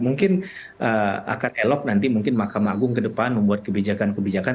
mungkin akan elok nanti mungkin mahkamah agung ke depan membuat kebijakan kebijakan